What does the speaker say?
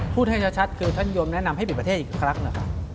พูดให้ชัดคือท่านยมแนะนำให้ปิดประเทศอีกครั้งนะคะ